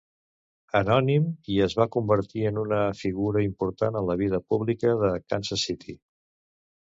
Anònim" i es va convertir en una figura important de la vida pública de Kansas City.